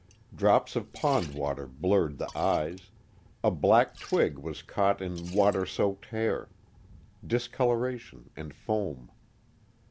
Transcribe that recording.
Drops of pond water blurred the eyes; a black twig was caught in water soaked hair. Discoloration, and foam.